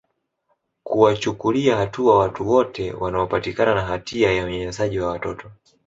kuwachukulia hatua watu wote wanaopatikana na hatia ya unyanyasaji wa watoto